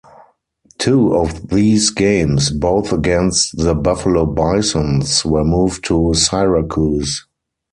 Two of these games, both against the Buffalo Bisons, were moved to Syracuse.